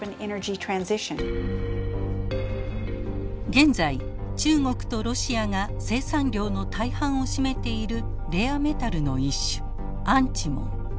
現在中国とロシアが生産量の大半を占めているレアメタルの一種アンチモン。